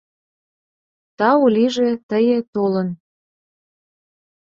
Тау лийже: тые, толын